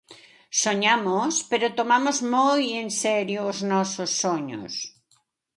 Soñamos, pero tomamos moi en serio os nosos soños.